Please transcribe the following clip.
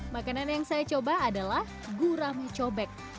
makanan yang saya coba adalah gurami cobek